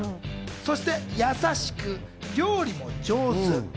そして優しく、料理も上手。